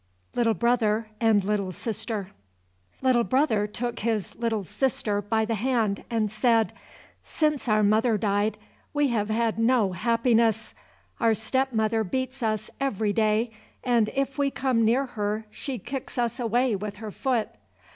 11 Little Brother and Little Sister Little brother took his little sister by the hand and said, "Since our mother died we have had no happiness; our step mother beats us every day, and if we come near her she kicks us away with her foot.